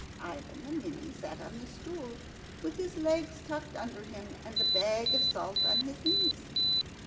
Ivan the Ninny sat on his stool, with his legs tucked under him and the bag of salt on his knees.